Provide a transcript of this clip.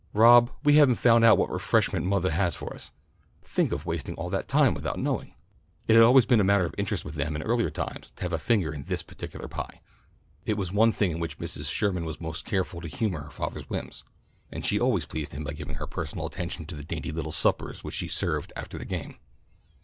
Rob, we haven't found out what refreshments mothah has for them. Think of wasting all this time without knowing." It had always been a matter of interest with them in earlier times to have a finger in this particular pie. It was one thing in which Mrs. Sherman was most careful to humour her father's whims, and she always pleased him by giving her personal attention to the dainty little suppers which she served after the game.